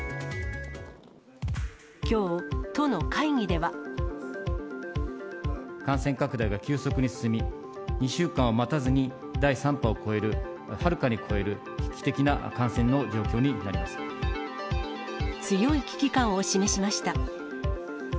きょう、感染拡大が急速に進み、２週間を待たずに第３波を超える、はるかに超える危機的な感染の状強い危機感を示しました。